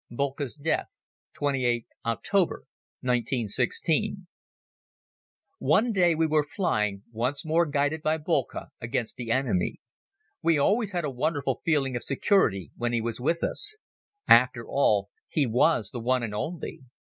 Boelcke's Death. (28th October, 1916) ONE day we were flying, once more guided by Boelcke against the enemy. We always had a wonderful feeling of security when he was with us. After all he was the one and only.